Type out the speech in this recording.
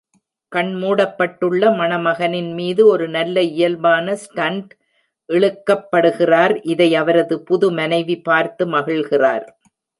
கண்மூடப்பட்டுள்ள மணமகனின் மீது ஒரு நல்ல இயல்பான ஸ்டண்ட் இழுக்கப்படுகிறார், இதை அவரது புதுமனைவி பார்த்து மகிழ்கிறார்.